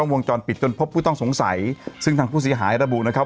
วงจรปิดจนพบผู้ต้องสงสัยซึ่งทางผู้เสียหายระบุนะครับ